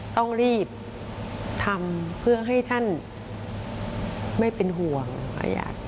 ต้องรีบทำเพื่อให้ท่านไม่เป็นห่วงประหยัด